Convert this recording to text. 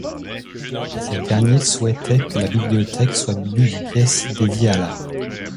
Ces derniers souhaitaient que la bibliothèque soit munie d'une pièce dédiée à l'art.